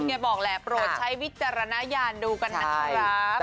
มันก็เป็นที่พิเศษบอกแหละพร้อมใช้วิจารณญาณดูครับ